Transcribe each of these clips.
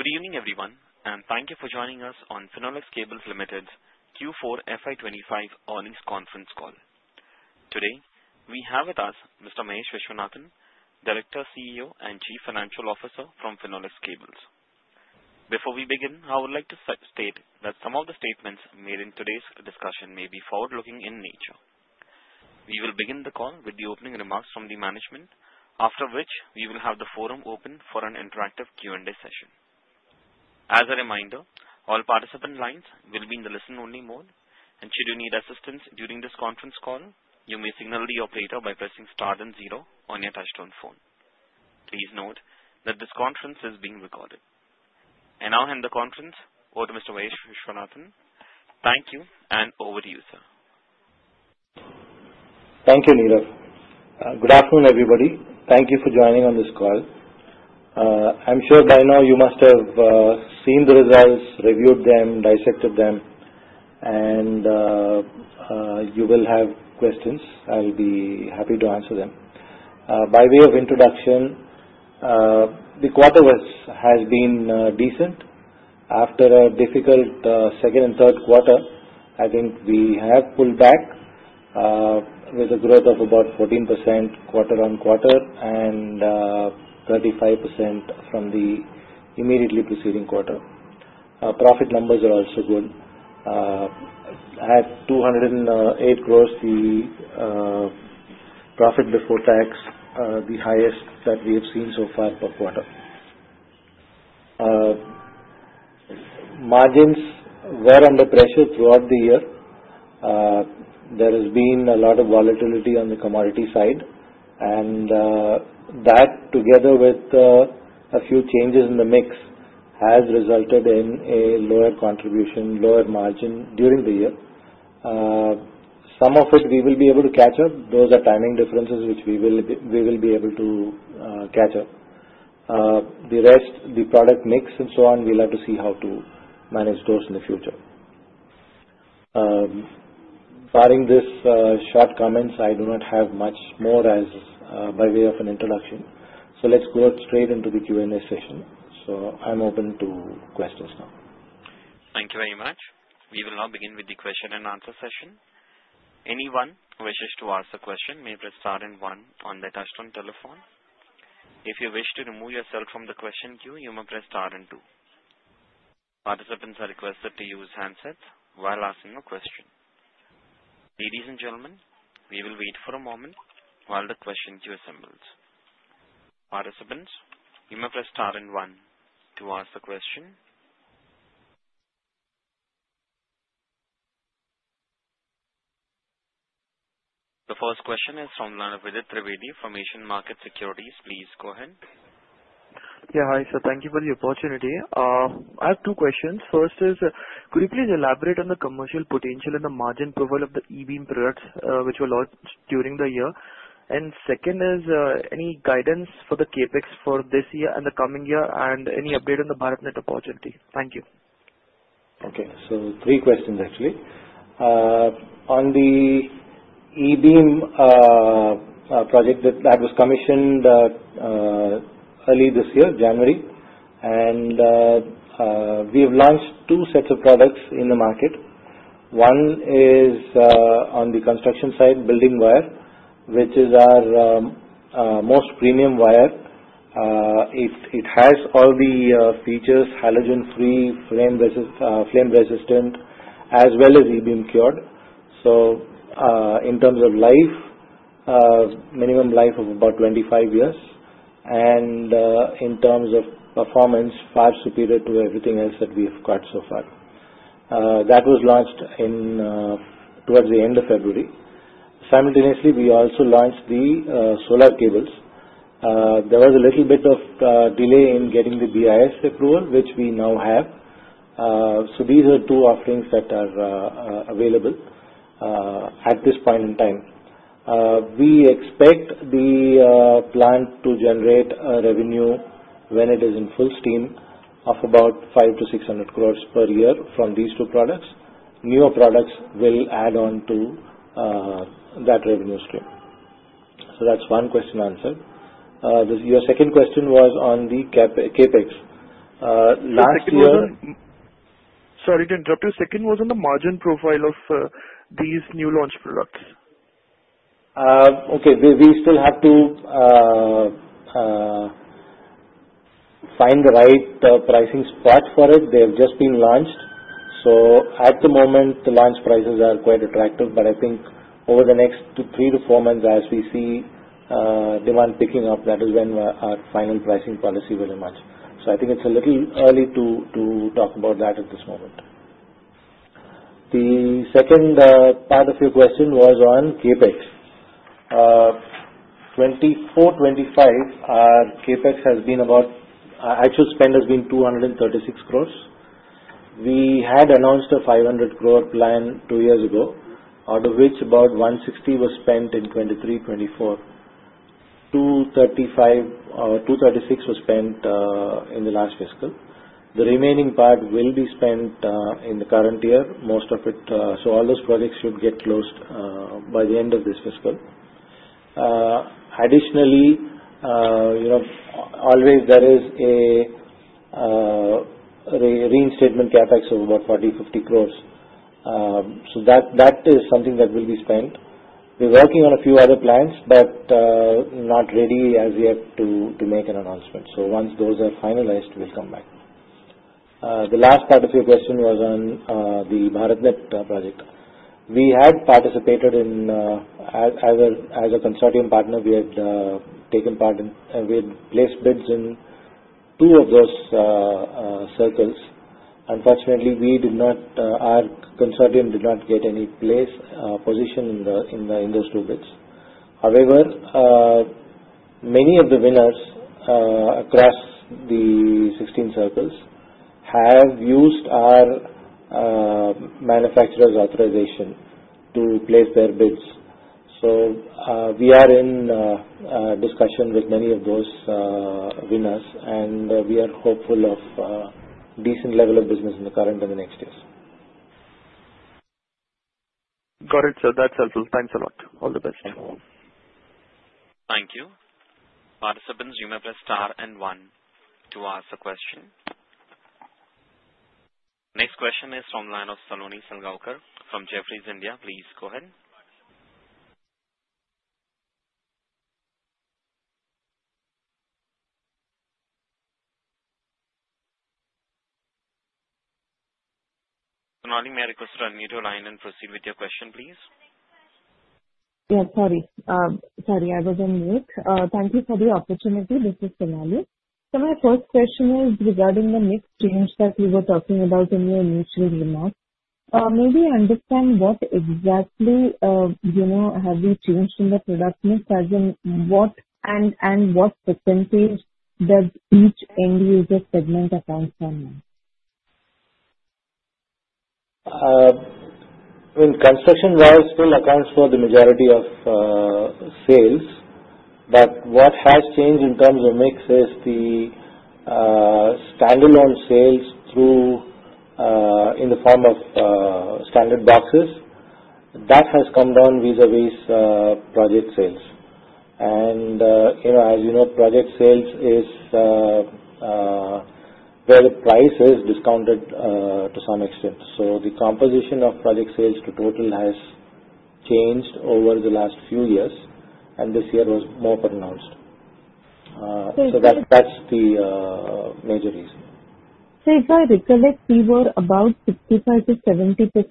Good evening, everyone, and thank you for joining us on Finolex Cables Limited's Q4 FY25 earnings conference call. Today, we have with us Mr. Mahesh Viswanathan, Director, CEO, and Chief Financial Officer from Finolex Cables. Before we begin, I would like to state that some of the statements made in today's discussion may be forward-looking in nature. We will begin the call with the opening remarks from the management, after which we will have the forum open for an interactive Q&A session. As a reminder, all participant lines will be in the listen-only mode, and should you need assistance during this conference call, you may signal the operator by pressing Star then Zero on your touch-tone phone. Please note that this conference is being recorded. I will hand the conference over to Mr. Mahesh Viswanathan. Thank you, and over to you, sir. Thank you, Neelav. Good afternoon, everybody. Thank you for joining on this call. I'm sure by now you must have seen the results, reviewed them, dissected them, and you will have questions. I'll be happy to answer them. By way of introduction, the quarter has been decent. After a difficult second and third quarter, I think we have pulled back with a growth of about 14% quarter on quarter and 35% from the immediately preceding quarter. Profit numbers are also good. At 208 crore, the profit before tax is the highest that we have seen so far per quarter. Margins were under pressure throughout the year. There has been a lot of volatility on the commodity side, and that, together with a few changes in the mix, has resulted in a lower contribution, lower margin during the year. Some of it we will be able to catch up. Those are timing differences which we will be able to catch up. The rest, the product mix and so on, we will have to see how to manage those in the future. Barring these short comments, I do not have much more by way of an introduction. Let's go straight into the Q&A session. I am open to questions now. Thank you very much. We will now begin with the question and answer session. Anyone who wishes to ask a question may press Star and One on their touch-tone telephone. If you wish to remove yourself from the question queue, you may press Star and Two. Participants are requested to use handsets while asking a question. Ladies and gentlemen, we will wait for a moment while the question queue assembles. Participants, you may press Star and One to ask a question. The first question is from Vidit Trivedi, Asian Market Securities. Please go ahead. Yeah, hi. Thank you for the opportunity. I have two questions. First is, could you please elaborate on the commercial potential and the margin profile of the e-beam products which were launched during the year? Second is, any guidance for the CapEx for this year and the coming year, and any update on the BharatNet opportunity? Thank you. Okay. Three questions, actually. On the eBeam project that was commissioned early this year, January, and we have launched two sets of products in the market. One is on the construction side, building wire, which is our most premium wire. It has all the features: halogen-free, flame-resistant, as well as eBeam cured. In terms of life, minimum life of about 25 years, and in terms of performance, far superior to everything else that we have got so far. That was launched towards the end of February. Simultaneously, we also launched the solar cables. There was a little bit of delay in getting the BIS approval, which we now have. These are two offerings that are available at this point in time. We expect the plan to generate revenue when it is in full steam of about 500-600 crores per year from these two products. Newer products will add on to that revenue stream. That is one question answered. Your second question was on the CapEx. Last year. The second was on—sorry, to interrupt you, the second was on the margin profile of these new launch products. Okay. We still have to find the right pricing spot for it. They have just been launched. At the moment, the launch prices are quite attractive, but I think over the next three to four months, as we see demand picking up, that is when our final pricing policy will emerge. I think it's a little early to talk about that at this moment. The second part of your question was on CapEx. For 2024, 2025, our CapEx has been about 236 crores. We had announced a 500 crore plan two years ago, out of which about 160 crores was spent in 2023, 2024. 236 crores was spent in the last fiscal. The remaining part will be spent in the current year, most of it. All those projects should get closed by the end of this fiscal. Additionally, always there is a reinstatement CapEx of about 40-50 crores. That is something that will be spent. We're working on a few other plans, but not ready as yet to make an announcement. Once those are finalized, we'll come back. The last part of your question was on the BharatNet project. We had participated as a consortium partner. We had taken part in—we had placed bids in two of those circles. Unfortunately, our consortium did not get any position in those two bids. However, many of the winners across the 16 circles have used our manufacturer's authorization to place their bids. We are in discussion with many of those winners, and we are hopeful of a decent level of business in the current and the next years. Got it. That's helpful. Thanks a lot. All the best. Thank you. Participants, you may press Star and One to ask a question. Next question is from the line of Sonali Salgaonkar from Jefferies, India. Please go ahead. Finolex, may I request to unmute your line and proceed with your question, please? Yes, sorry. Sorry, I was on mute. Thank you for the opportunity. This is Solani. So my first question is regarding the mix change that we were talking about in your initial remarks. Maybe I understand what exactly have we changed in the product mix, as in what and what % does each end-user segment account for now? I mean, construction wires, they account for the majority of sales. What has changed in terms of mix is the standalone sales in the form of standard boxes. That has come down vis-à-vis project sales. As you know, project sales is where the price is discounted to some extent. The composition of project sales to total has changed over the last few years, and this year was more pronounced. That is the major reason. If I recollect, we were about 65%-70%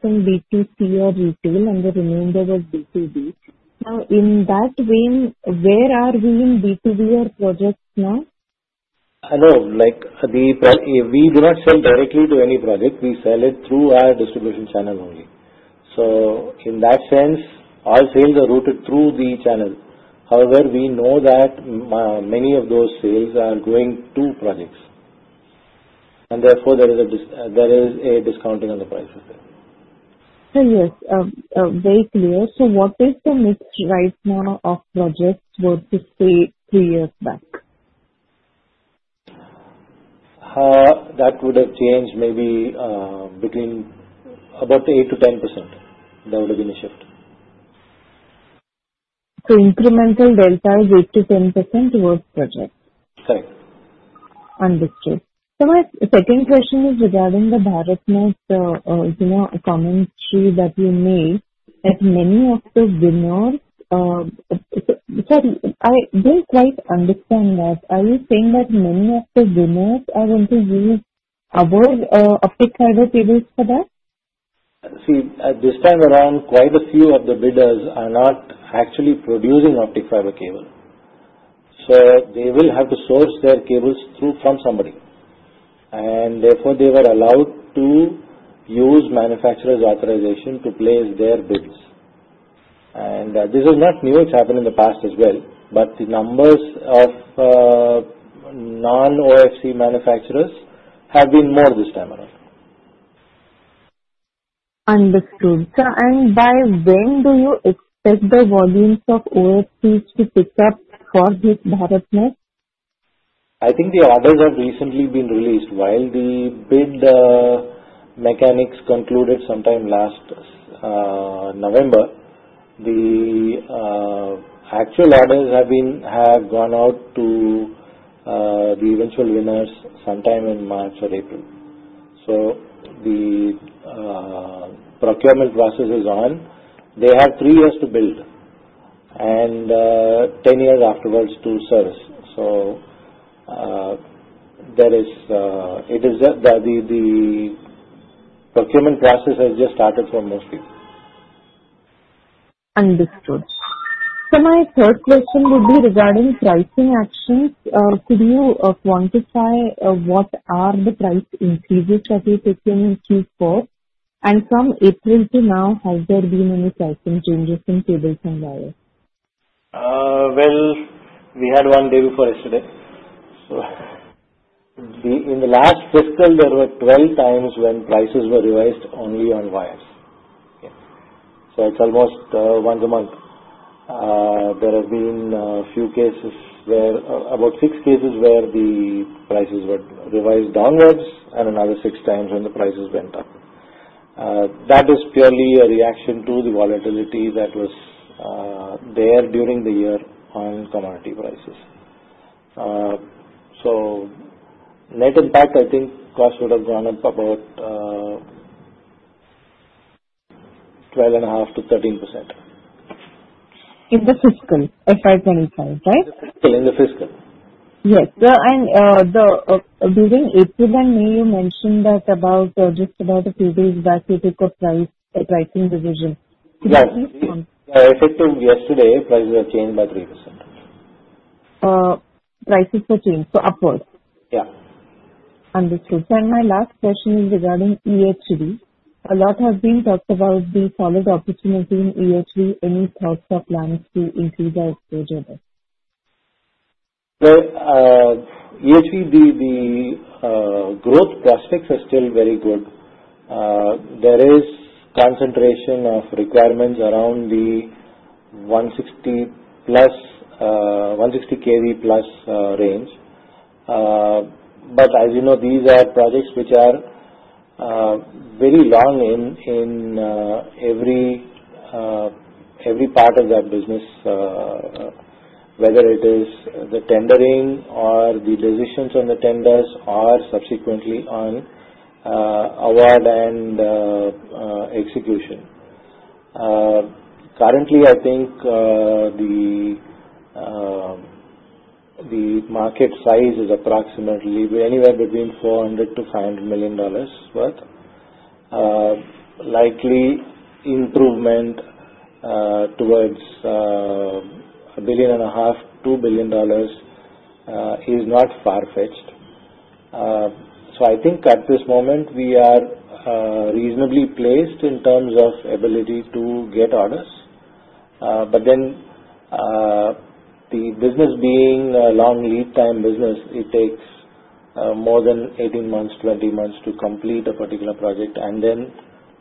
B2C or retail, and the remainder was B2B. Now, in that vein, where are we in B2B or projects now? Hello. We do not sell directly to any project. We sell it through our distribution channel only. In that sense, all sales are routed through the channel. However, we know that many of those sales are going to projects, and therefore there is a discounting on the prices there. Yes, very clear. What is the mix right now of projects versus say three years back? That would have changed maybe between about 8-10%. That would have been a shift. Incremental delta is 8-10% towards projects? Correct. Understood. My second question is regarding the BharatNet commentary that you made, that many of the winners—sorry, I do not quite understand that. Are you saying that many of the winners are going to use other optic fiber cables for that? See, at this time around, quite a few of the bidders are not actually producing optic fiber cable. They will have to source their cables from somebody. Therefore, they were allowed to use manufacturer's authorization to place their bids. This is not new. It has happened in the past as well. The numbers of non-OFC manufacturers have been more this time around. Understood. By when do you expect the volumes of OFCs to pick up for this BharatNet? I think the orders have recently been released. While the bid mechanics concluded sometime last November, the actual orders have gone out to the eventual winners sometime in March or April. The procurement process is on. They have three years to build and 10 years afterwards to service. It is that the procurement process has just started for most people. Understood. So my third question would be regarding pricing actions. Could you quantify what are the price increases that you're taking Q4? And from April to now, have there been any pricing changes in cables and wires? We had one day before yesterday. In the last fiscal, there were 12 times when prices were revised only on wires. It is almost once a month. There have been a few cases where, about six cases where the prices were revised downwards, and another six times when the prices went up. That is purely a reaction to the volatility that was there during the year on commodity prices. Net impact, I think cost would have gone up about 12.5%-13%. In the fiscal, FY25, right? In the fiscal. Yes. Between April and May, you mentioned that just about a few days back, you took a pricing decision. Yeah. Effective yesterday, prices have changed by 3%. Prices have changed, so upward? Yeah. Understood. My last question is regarding EHV. A lot has been talked about the solid opportunity in EHV. Any thoughts or plans to increase our exposure there? EHV, the growth prospects are still very good. There is concentration of requirements around the 160 kV plus range. As you know, these are projects which are very long in every part of that business, whether it is the tendering or the decisions on the tenders or subsequently on award and execution. Currently, I think the market size is approximately anywhere between $400 million-$500 million worth. Likely, improvement towards $1.5 billion-$2 billion is not far-fetched. I think at this moment, we are reasonably placed in terms of ability to get orders. The business being a long lead-time business, it takes more than 18 months-20 months to complete a particular project, and then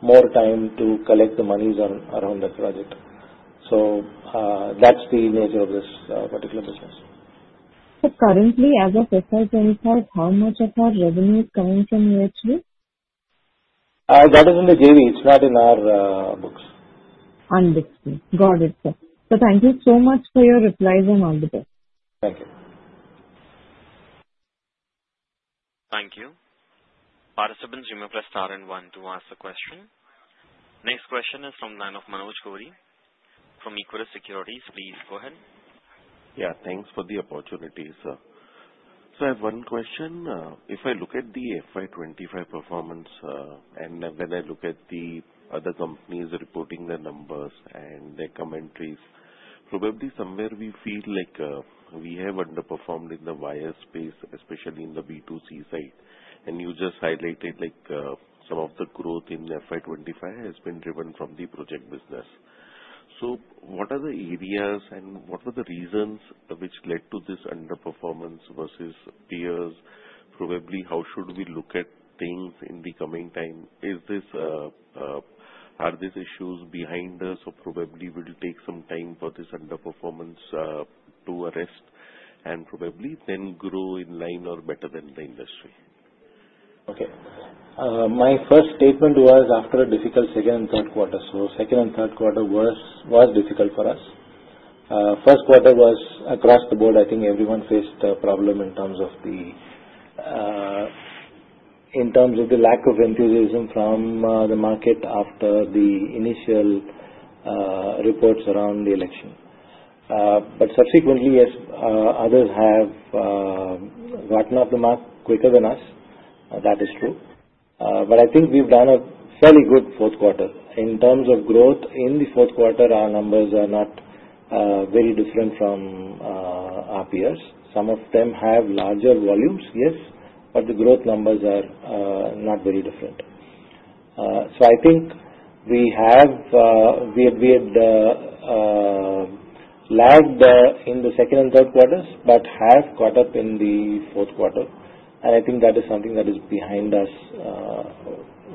more time to collect the monies around that project. That is the nature of this particular business. Currently, as of FY25, how much of our revenue is coming from EHV? That is in the JV. It's not in our books. On books. Got it. Thank you so much for your replies, and all the best. Thank you. Thank you. Participants, you may press Star and One to ask a question. Next question is from the line of Manoj Gori from Equirus Securities. Please go ahead. Yeah. Thanks for the opportunity. I have one question. If I look at the FY25 performance and then I look at the other companies reporting their numbers and their commentaries, probably somewhere we feel like we have underperformed in the wire space, especially in the B2C side. You just highlighted some of the growth in FY25 has been driven from the project business. What are the areas and what were the reasons which led to this underperformance versus peers? Probably, how should we look at things in the coming time? Are these issues behind us? Probably we'll take some time for this underperformance to arrest and probably then grow in line or better than the industry. Okay. My first statement was after a difficult second and third quarter. Second and third quarter was difficult for us. First quarter was across the board. I think everyone faced a problem in terms of the lack of enthusiasm from the market after the initial reports around the election. Subsequently, yes, others have gotten up the mark quicker than us. That is true. I think we've done a fairly good fourth quarter. In terms of growth, in the fourth quarter, our numbers are not very different from our peers. Some of them have larger volumes, yes, but the growth numbers are not very different. I think we had lagged in the second and third quarters but have caught up in the fourth quarter. I think that is something that is behind us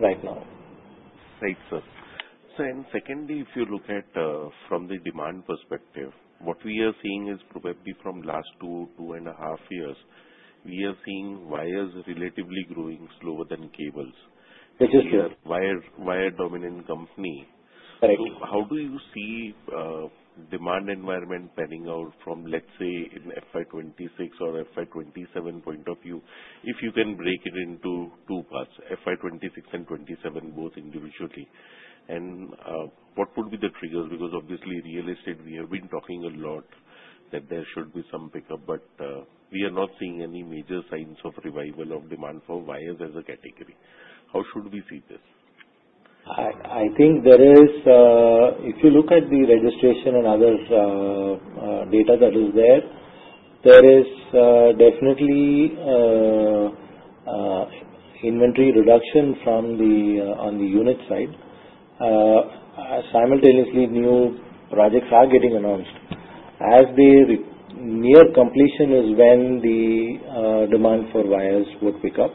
right now. Sight. Then secondly, if you look at from the demand perspective, what we are seeing is probably from last two, two and a half years, we are seeing wires relatively growing slower than cables. Logistics. Wire-dominant company. How do you see demand environment panning out from, let's say, an FY26 or FY27 point of view if you can break it into two parts, FY26 and 27, both individually? What would be the triggers? Obviously, real estate, we have been talking a lot that there should be some pickup, but we are not seeing any major signs of revival of demand for wires as a category. How should we see this? I think there is, if you look at the registration and other data that is there, there is definitely inventory reduction on the unit side. Simultaneously, new projects are getting announced. As the near completion is when the demand for wires would pick up.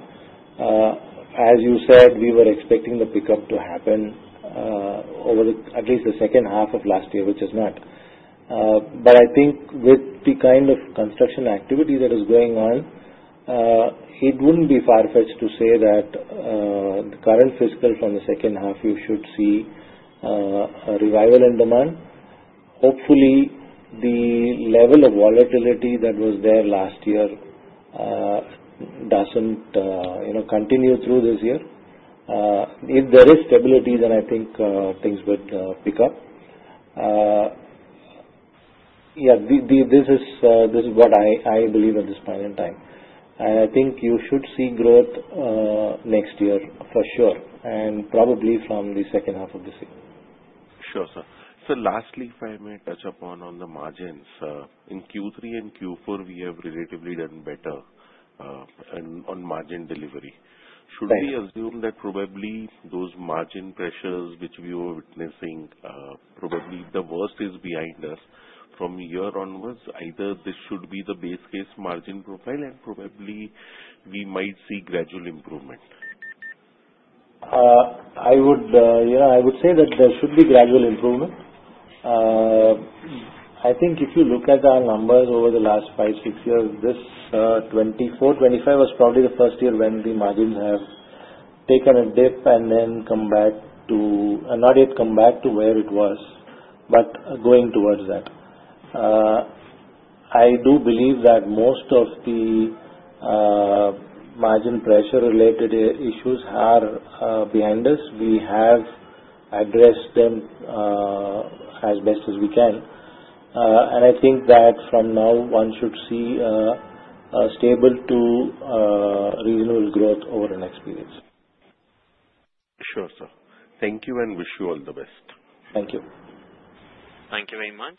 As you said, we were expecting the pickup to happen over at least the second half of last year, which has not. I think with the kind of construction activity that is going on, it would not be far-fetched to say that the current fiscal from the second half, you should see a revival in demand. Hopefully, the level of volatility that was there last year does not continue through this year. If there is stability, then I think things would pick up. Yeah, this is what I believe at this point in time. I think you should see growth next year for sure and probably from the second half of this year. Sure, sir. Lastly, if I may touch upon the margins. In Q3 and Q4, we have relatively done better on margin delivery. Should we assume that probably those margin pressures which we were witnessing, probably the worst is behind us from here onwards? Either this should be the base case margin profile, and probably we might see gradual improvement. I would say that there should be gradual improvement. I think if you look at our numbers over the last five, six years, this 2024, 2025 was probably the first year when the margins have taken a dip and then come back to not yet come back to where it was, but going towards that. I do believe that most of the margin pressure-related issues are behind us. We have addressed them as best as we can. I think that from now, one should see a stable to reasonable growth over the next period. Sure, sir. Thank you and wish you all the best. Thank you. Thank you very much.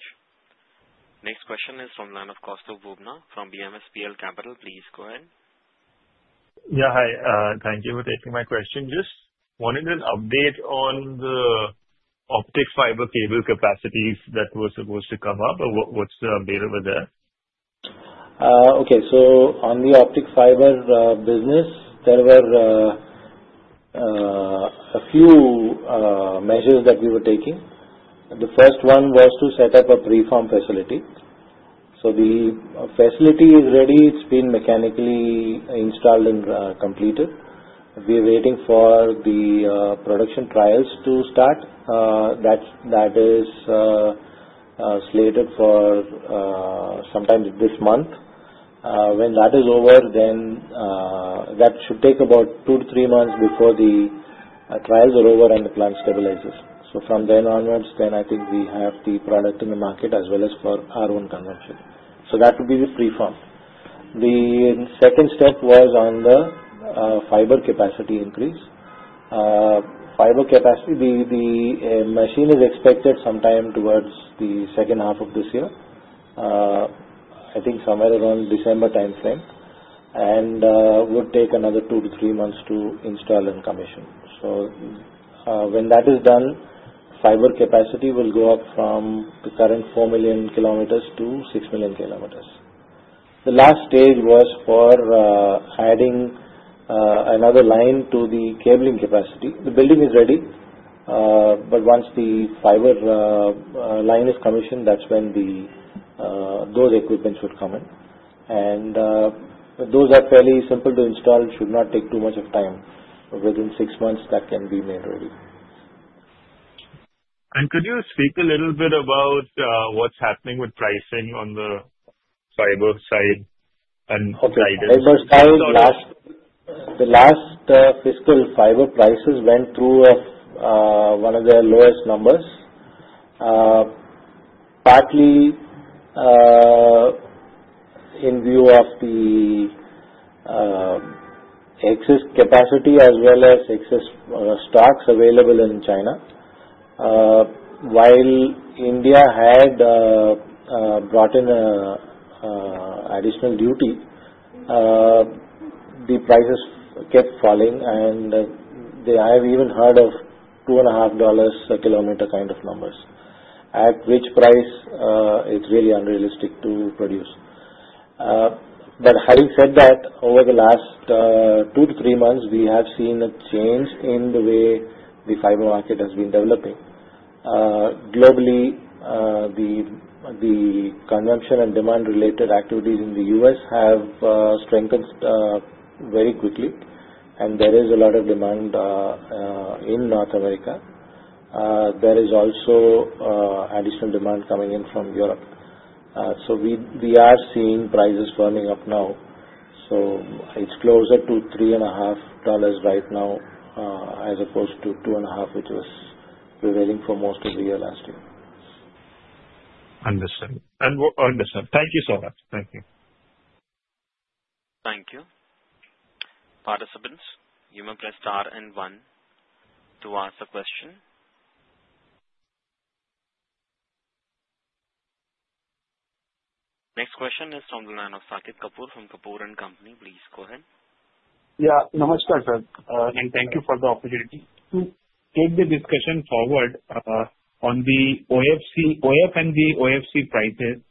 Next question is from line of Kaustav Bubna from BMSPL Capital. Please go ahead. Yeah, hi. Thank you for taking my question. Just wanted an update on the optic fiber cable capacities that were supposed to come up. What's the update over there? Okay. So on the optic fiber business, there were a few measures that we were taking. The first one was to set up a preform facility. So the facility is ready. It's been mechanically installed and completed. We are waiting for the production trials to start. That is slated for sometime this month. When that is over, then that should take about two to three months before the trials are over and the plant stabilizes. From then onwards, I think we have the product in the market as well as for our own consumption. That would be the preform. The second step was on the fiber capacity increase. Fiber capacity, the machine is expected sometime towards the second half of this year, I think somewhere around December timeframe, and would take another two to three months to install and commission. When that is done, fiber capacity will go up from the current 4 million kilometers to 6 million kilometers. The last stage was for adding another line to the cabling capacity. The building is ready. Once the fiber line is commissioned, that's when those equipments would come in. Those are fairly simple to install, should not take too much of time. Within six months, that can be made ready. Could you speak a little bit about what's happening with pricing on the fiber side and guidance? Okay. Fiber side, the last fiscal fiber prices went through one of their lowest numbers, partly in view of the excess capacity as well as excess stocks available in China. While India had brought in additional duty, the prices kept falling, and I have even heard of $2.5 a kilometer kind of numbers, at which price it's really unrealistic to produce. Having said that, over the last two to three months, we have seen a change in the way the fiber market has been developing. Globally, the consumption and demand-related activities in the U.S. have strengthened very quickly, and there is a lot of demand in North America. There is also additional demand coming in from Europe. We are seeing prices firming up now. It's closer to $3.5 right now as opposed to $2.5, which was prevailing for most of the year last year. Understood. Thank you so much. Thank you. Thank you. Participants, you may press Star and One to ask a question. Next question is from the line of Saket Kapoor from Kapoor & Company. Please go ahead. Yeah. Namaskar, sir. Thank you for the opportunity to take the discussion forward on the OF and the OFC prices.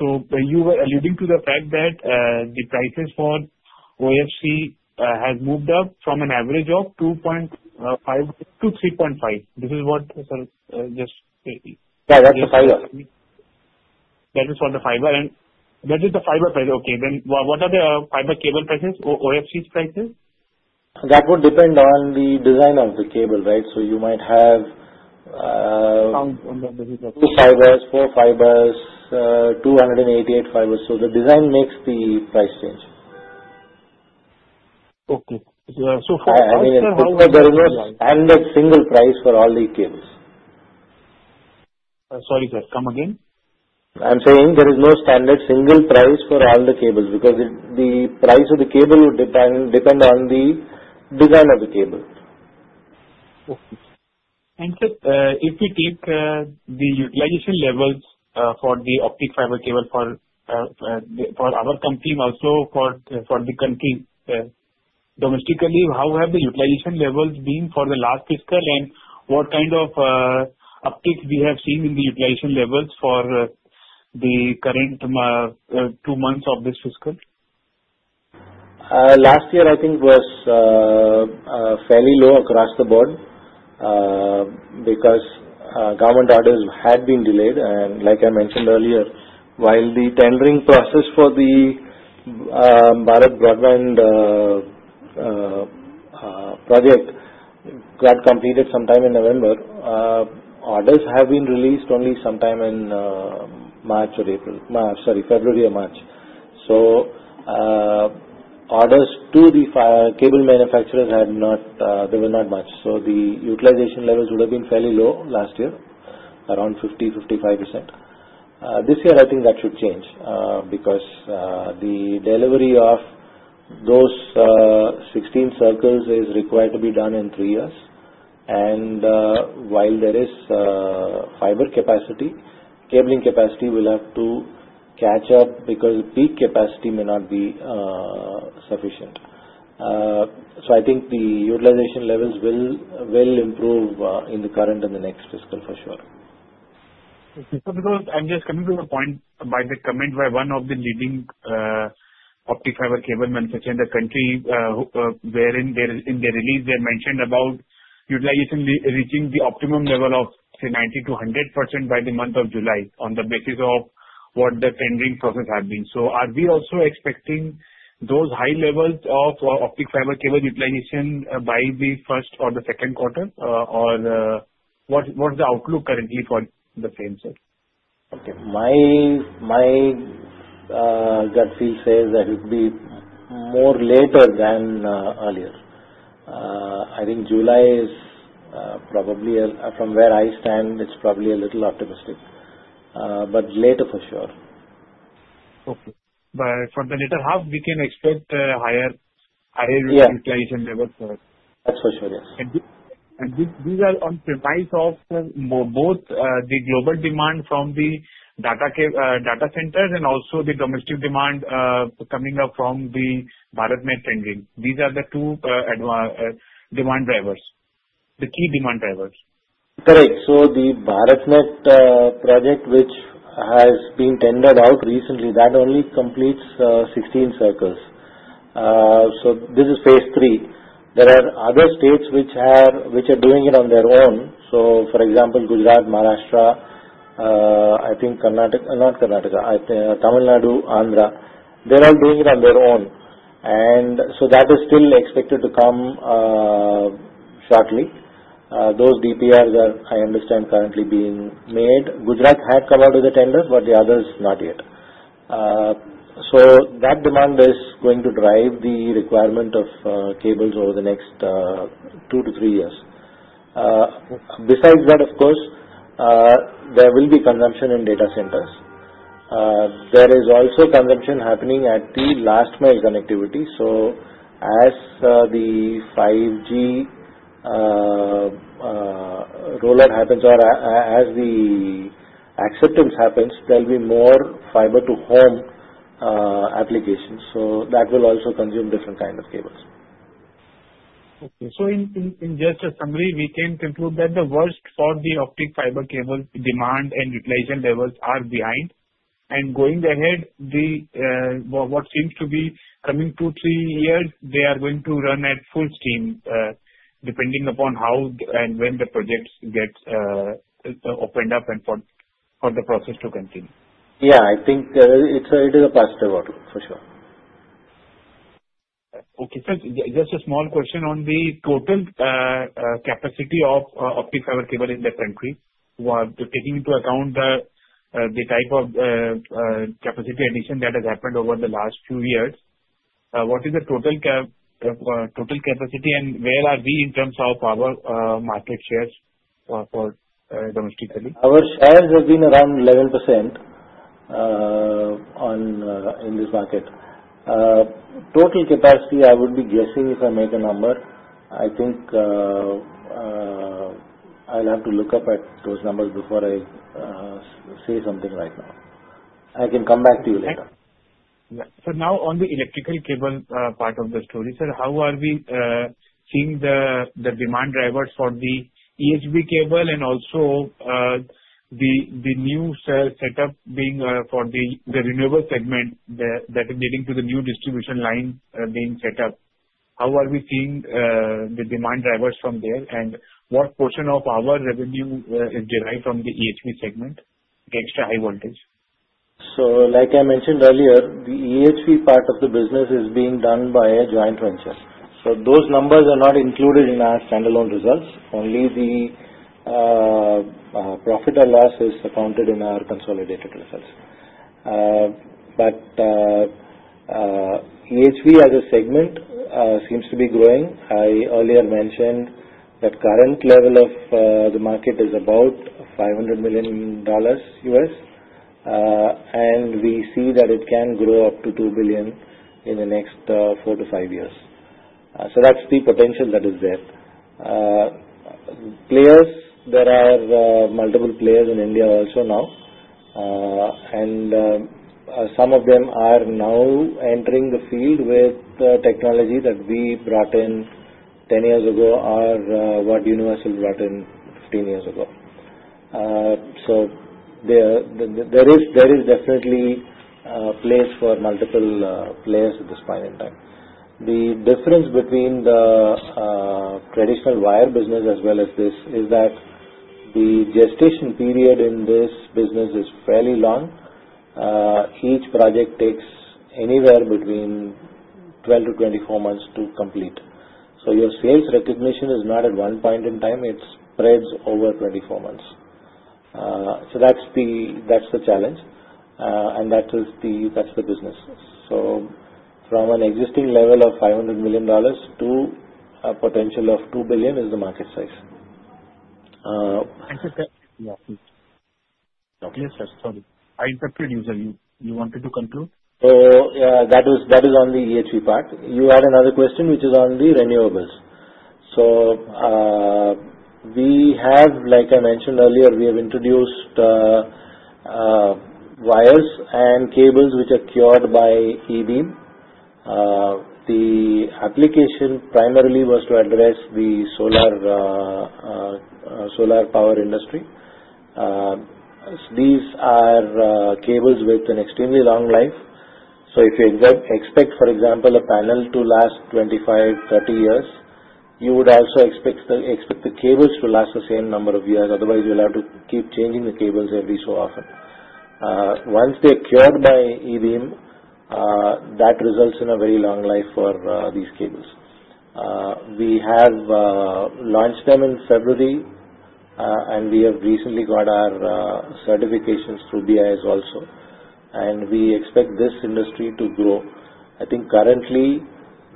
You were alluding to the fact that the prices for OFC have moved up from an average of $2.5-$3.5. This is what, sir, just. Yeah, that's the fiber. That is for the fiber. That is the fiber price. Okay. What are the fiber cable prices or OFC's prices? That would depend on the design of the cable, right? So you might have. Sounds under the. Two fibers, four fibers, 288 fibers. The design makes the price change. Okay. So far. I mean, there is no standard single price for all the cables. Sorry, sir. Come again? I'm saying there is no standard single price for all the cables because the price of the cable would depend on the design of the cable. Okay. Sir, if we take the utilization levels for the optic fiber cable for our company and also for the country domestically, how have the utilization levels been for the last fiscal? What kind of upticks have we seen in the utilization levels for the current two months of this fiscal? Last year, I think, was fairly low across the board because government orders had been delayed. Like I mentioned earlier, while the tendering process for the BharatNet Project got completed sometime in November, orders have been released only sometime in February or March. Orders to the cable manufacturers had not, there were not much. The utilization levels would have been fairly low last year, around 50-55%. This year, I think that should change because the delivery of those 16 circles is required to be done in three years. While there is fiber capacity, cabling capacity will have to catch up because peak capacity may not be sufficient. I think the utilization levels will improve in the current and the next fiscal for sure. I'm just coming to the point by the comment by one of the leading optic fiber cable manufacturers in the country wherein in their release, they mentioned about utilization reaching the optimum level of 90-100% by the month of July on the basis of what the tendering process has been. Are we also expecting those high levels of optic fiber cable utilization by the first or the second quarter? What's the outlook currently for the same, sir? Okay. My gut feel says that it will be more later than earlier. I think July is probably, from where I stand, it's probably a little optimistic. Later for sure. Okay. For the later half, we can expect higher utilization levels. That's for sure, yes. These are on the device of both the global demand from the data centers and also the domestic demand coming up from the BharatNet tendering. These are the two demand drivers, the key demand drivers. Correct. The BharatNet project, which has been tendered out recently, only completes 16 circles. This is phase three. There are other states which are doing it on their own. For example, Gujarat, Maharashtra, I think Karnataka, not Karnataka, Tamil Nadu, Andhra, they are all doing it on their own. That is still expected to come shortly. Those DPRs are, I understand, currently being made. Gujarat had come out with the tenders, but the others not yet. That demand is going to drive the requirement of cables over the next two to three years. Besides that, of course, there will be consumption in data centers. There is also consumption happening at the last-mile connectivity. As the 5G rollout happens or as the acceptance happens, there will be more fiber-to-home applications. That will also consume different kinds of cables. Okay. So in just a summary, we can conclude that the worst for the optic fiber cable demand and utilization levels are behind. Going ahead, what seems to be coming two, three years, they are going to run at full steam depending upon how and when the projects get opened up and for the process to continue. Yeah, I think it is a positive outlook for sure. Okay. Just a small question on the total capacity of optic fiber cable in the country. Taking into account the type of capacity addition that has happened over the last few years, what is the total capacity and where are we in terms of our market shares for domestically? Our shares have been around 11% in this market. Total capacity, I would be guessing if I make a number. I think I'll have to look up at those numbers before I say something right now. I can come back to you later. Yeah. Now on the electrical cable part of the story, sir, how are we seeing the demand drivers for the EHV cable and also the new setup being for the renewable segment that is leading to the new distribution line being set up? How are we seeing the demand drivers from there? What portion of our revenue is derived from the EHV segment, the extra high voltage? Like I mentioned earlier, the EHV part of the business is being done by a joint venture. Those numbers are not included in our standalone results. Only the profit or loss is accounted in our consolidated results. EHV as a segment seems to be growing. I earlier mentioned that current level of the market is about $500 million US. We see that it can grow up to $2 billion in the next four to five years. That is the potential that is there. Players, there are multiple players in India also now. Some of them are now entering the field with technology that we brought in 10 years ago or what Universal brought in 15 years ago. There is definitely a place for multiple players at this point in time. The difference between the traditional wire business as well as this is that the gestation period in this business is fairly long. Each project takes anywhere between 12-24 months to complete. Your sales recognition is not at one point in time. It spreads over 24 months. That is the challenge. That is the business. From an existing level of $500 million to a potential of $2 billion is the market size. I think that's the question. Yes, sir. Sorry. I interrupted you, sir. You wanted to conclude? That is on the EHV part. You had another question, which is on the renewables. Like I mentioned earlier, we have introduced wires and cables which are cured by e-beam. The application primarily was to address the solar power industry. These are cables with an extremely long life. If you expect, for example, a panel to last 25-30 years, you would also expect the cables to last the same number of years. Otherwise, you'll have to keep changing the cables every so often. Once they're cured by e-beam, that results in a very long life for these cables. We have launched them in February, and we have recently got our certifications through BIS also. We expect this industry to grow. I think currently,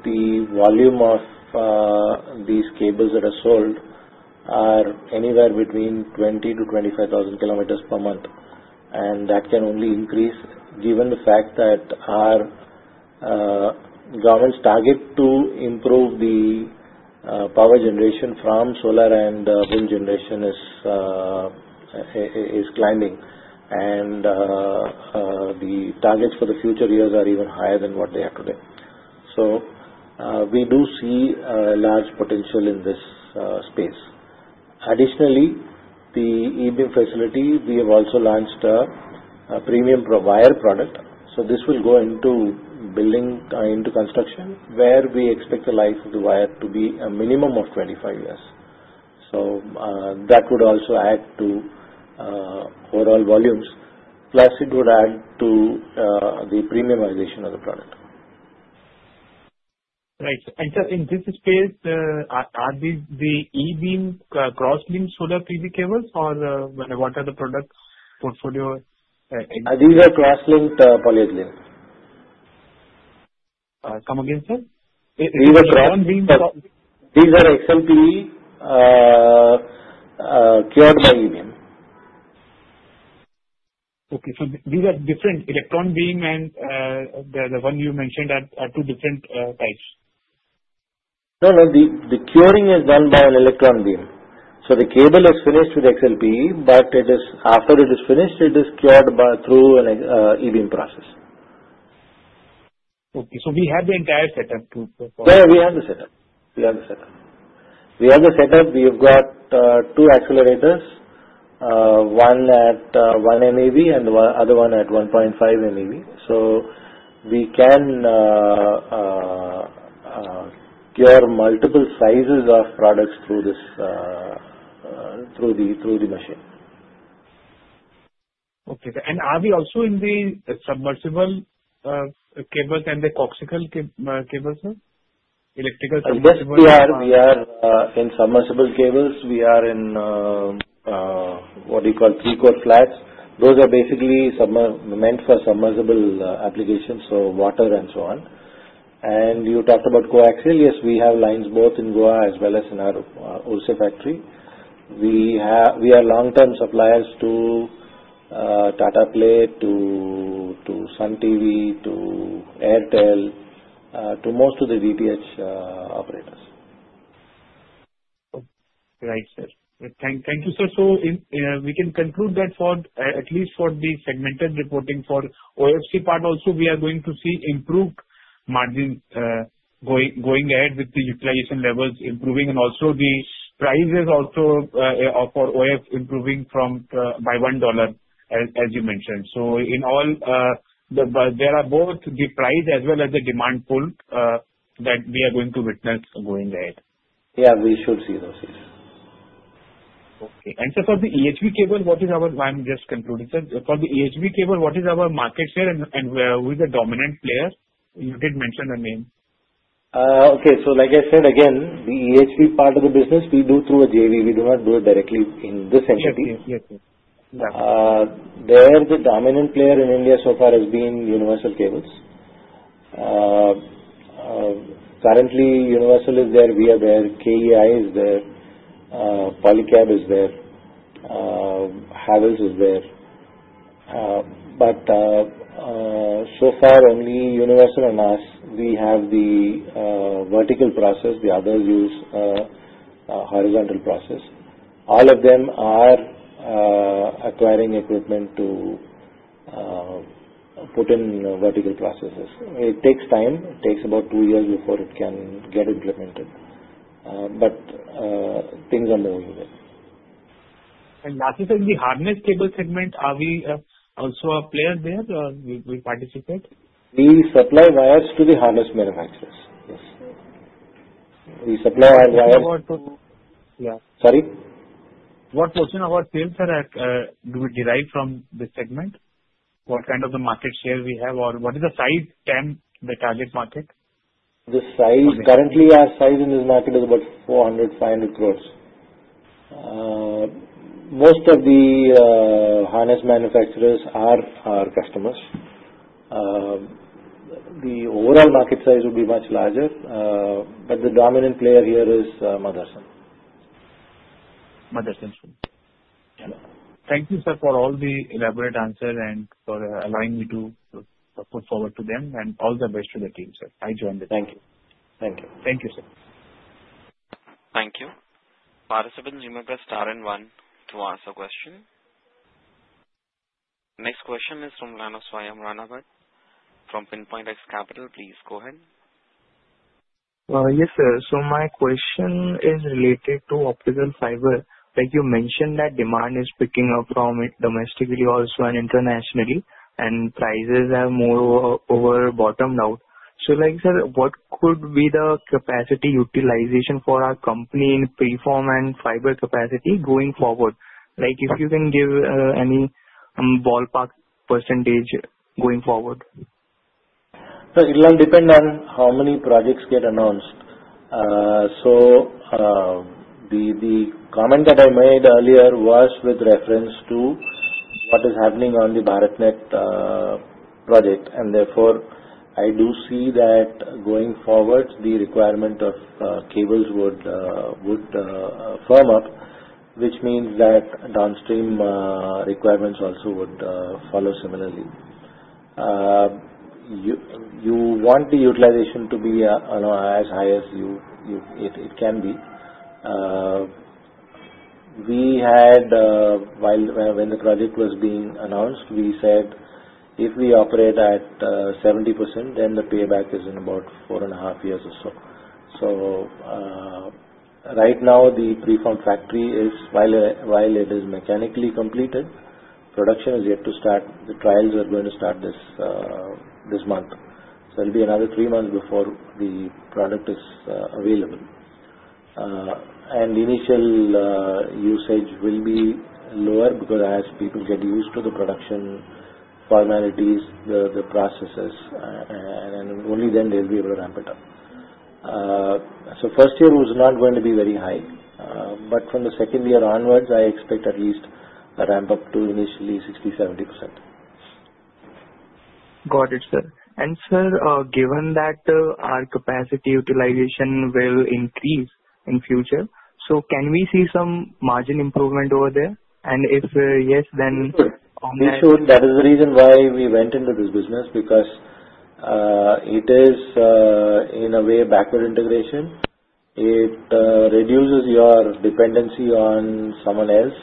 the volume of these cables that are sold are anywhere between 20,000-25,000 km per month. That can only increase given the fact that our government's target to improve the power generation from solar and wind generation is climbing. The targets for the future years are even higher than what they are today. We do see a large potential in this space. Additionally, the e-beam facility, we have also launched a premium wire product. This will go into construction where we expect the life of the wire to be a minimum of 25 years. That would also add to overall volumes. Plus, it would add to the premiumization of the product. Right. Sir, in this space, are these the e-beam crosslinked solar PV cables? Or what are the product portfolio? These are crosslinked polyethylene. Come again, sir? These are XLPE cured by e-beam. Okay. So these are different electron beam and the one you mentioned are two different types. No, no. The curing is done by an electron beam. So the cable is finished with XLPE, but after it is finished, it is cured through an e-beam process. Okay. So we have the entire setup too. Yeah, we have the setup. We have got two accelerators, one at 1 MEV and the other one at 1.5 MEV. We can cure multiple sizes of products through the machine. Okay. Are we also in the submersible cables and the coaxial cables, sir? Electrical cables. Yes, we are in submersible cables. We are in what we call three-core flats. Those are basically meant for submersible applications, so water and so on. You talked about coaxial. Yes, we have lines both in Goa as well as in our Urse factory. We are long-term suppliers to Tata Play, to Sun TV, to Airtel, to most of the DTH operators. Right, sir. Thank you, sir. We can conclude that at least for the segmented reporting for the OFC part also, we are going to see improved margins going ahead with the utilization levels improving. Also, the price is also for OF improving by $1, as you mentioned. In all, there are both the price as well as the demand pull that we are going to witness going ahead. Yeah, we should see those things. Okay. Sir, for the EHV cable, what is our—I'm just concluding, sir. For the EHV cable, what is our market share and who is the dominant player? You did mention a name. Okay. So like I said, again, the EHV part of the business, we do through a JV. We do not do it directly in this entity. Yes. There, the dominant player in India so far has been Universal Cables. Currently, Universal is there. We are there. KEI is there. Polycab is there. Havells is there. So far, only Universal and us. We have the vertical process. The others use a horizontal process. All of them are acquiring equipment to put in vertical processes. It takes time. It takes about two years before it can get implemented. Things are moving there. Lastly, sir, in the harness cable segment, are we also a player there? We participate? We supply wires to the harness manufacturers. Yes, we supply our wires. What portion of our— Sorry? What portion of our sales, sir, do we derive from this segment? What kind of a market share do we have? Or what is the size? The target market? The size currently, our size in this market is about 400 crore-500 crore. Most of the harness manufacturers are our customers. The overall market size would be much larger. The dominant player here is Motherson. Motherson. Thank you, sir, for all the elaborate answers and for allowing me to put forward to them. All the best to the team, sir. I joined the team. Thank you. Thank you. Thank you, sir. Thank you. Participants, you may press star and one to ask a question. Next question is from Rana Swayam Ranaghat from Pinpoint X Capital. Please go ahead. Yes, sir. My question is related to optic fiber. Like you mentioned, that demand is picking up from domestically also and internationally, and prices have moreover bottomed out. Like I said, what could be the capacity utilization for our company in preform and fiber capacity going forward? If you can give any ballpark percentage going forward. It will depend on how many projects get announced. The comment that I made earlier was with reference to what is happening on the BharatNet project. Therefore, I do see that going forward, the requirement of cables would firm up, which means that downstream requirements also would follow similarly. You want the utilization to be as high as it can be. We had, when the project was being announced, said if we operate at 70%, then the payback is in about four and a half years or so. Right now, the preform factory is, while it is mechanically completed, production is yet to start. The trials are going to start this month. It will be another three months before the product is available. Initial usage will be lower because as people get used to the production formalities, the processes, and only then they'll be able to ramp it up. The first year was not going to be very high. From the second year onwards, I expect at least a ramp up to initially 60-70%. Got it, sir. Sir, given that our capacity utilization will increase in future, can we see some margin improvement over there? If yes, then on that. That is the reason why we went into this business because it is, in a way, backward integration. It reduces your dependency on someone else.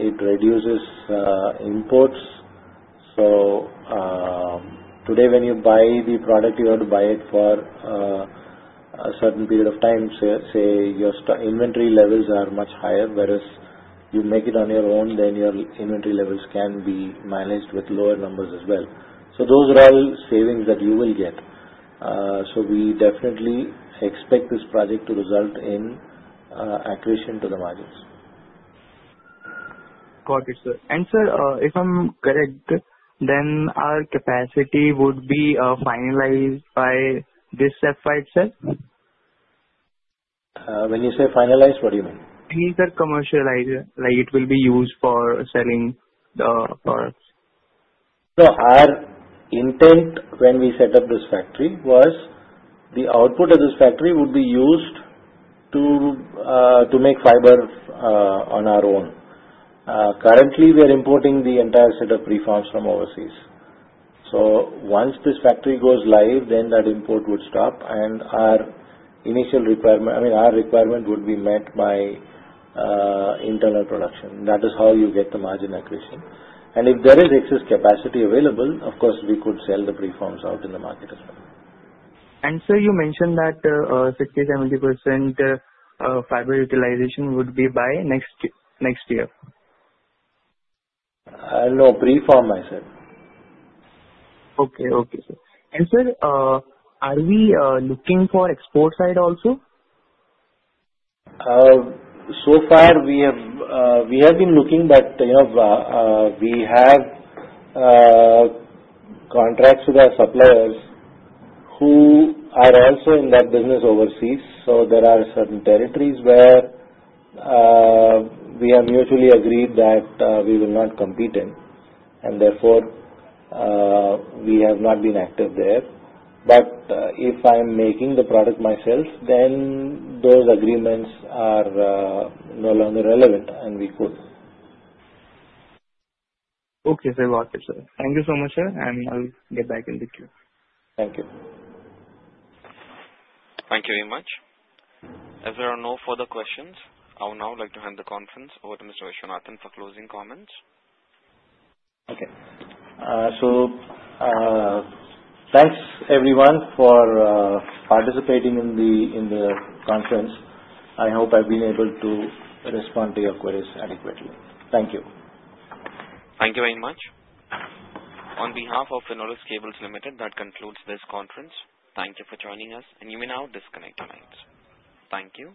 It reduces imports. Today, when you buy the product, you have to buy it for a certain period of time. Say your inventory levels are much higher, whereas you make it on your own, then your inventory levels can be managed with lower numbers as well. Those are all savings that you will get. We definitely expect this project to result in accuracy to the margins. Got it, sir. Sir, if I'm correct, then our capacity would be finalized by this step by itself? When you say finalized, what do you mean? You need to commercialize it. Like, it will be used for selling the products. Our intent when we set up this factory was the output of this factory would be used to make fiber on our own. Currently, we are importing the entire set of preforms from overseas. Once this factory goes live, that import would stop. Our initial requirement, I mean, our requirement would be met by internal production. That is how you get the margin accuracy. If there is excess capacity available, of course, we could sell the preforms out in the market as well. Sir, you mentioned that 60-70% fiber utilization would be by next year. No, preform, I said. Okay, okay. Sir, are we looking for export side also? So far, we have been looking, but we have contracts with our suppliers who are also in that business overseas. There are certain territories where we have mutually agreed that we will not compete in. Therefore, we have not been active there. If I'm making the product myself, then those agreements are no longer relevant, and we could. Okay, sir. Got it, sir. Thank you so much, sir. I'll get back in the queue. Thank you. Thank you very much. If there are no further questions, I would now like to hand the conference over to Mr. Viswanathan for closing comments. Okay. Thanks, everyone, for participating in the conference. I hope I've been able to respond to your queries adequately. Thank you. Thank you very much. On behalf of Finolex Cables Limited, that concludes this conference. Thank you for joining us, and you may now disconnect the lines. Thank you.